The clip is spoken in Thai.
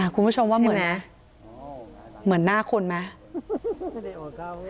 คุณผู้ชมว่าเหมือนหน้าคนไหม